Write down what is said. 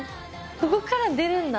ここから出るんだ